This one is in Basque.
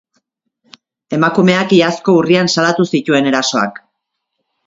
Emakumeak iazko urrian salatu zituen erasoak.